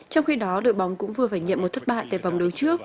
trong khi đó đội bóng cũng vừa phải nhậm một thất bại tại vòng đấu trước